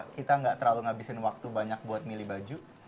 kita nggak terlalu ngabisin waktu banyak buat milih baju